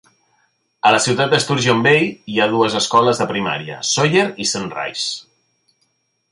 A la ciutat de Sturgeon Bay hi ha dues escoles de primària: Sawyer i Sunrise.